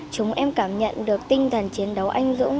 chúng em cảm nhận được tinh thần chiến đấu anh dũng